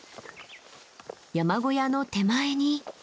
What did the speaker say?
山小屋の手前に。